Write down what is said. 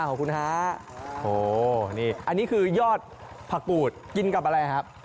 ขอบคุณฮะโอ้นี่อันนี้คือยอดผักปูดกินกับอะไรครับ